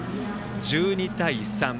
１２対３。